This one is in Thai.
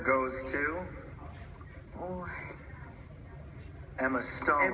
ออสเกอร์ไปกับเอมม่าสโตม์